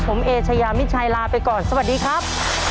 ผมเอเชยามิชัยลาไปก่อนสวัสดีครับ